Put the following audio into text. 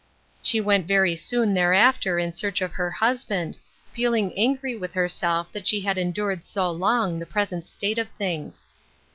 She went very soon thereafter in search of her husband, feeling angry with herself that she had endured so long the present state of things.